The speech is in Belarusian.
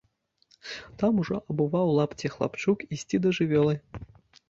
Там ужо абуваў лапці хлапчук ісці да жывёлы.